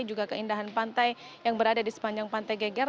juga keindahan pantai yang berada di sepanjang pantai geger